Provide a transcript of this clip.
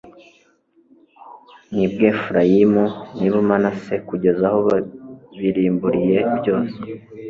n'i bwefurayimu n'i bumanase kugeza aho babirimburiye byose